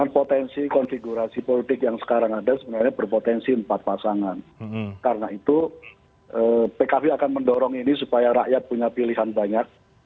pkv akan mendorong ini supaya rakyat punya pilihan banyak